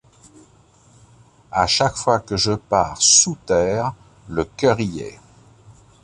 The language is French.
À chaque fois que je pars ‘sous terre’, le cœur y est.